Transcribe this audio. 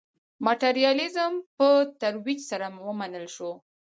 ماټریالیزم په تدریج سره ومنل شو.